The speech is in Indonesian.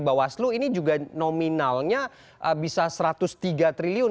bawaslu ini juga nominalnya bisa satu ratus tiga triliun